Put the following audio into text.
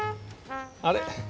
あれ？